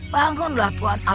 bangunlah tuhan adon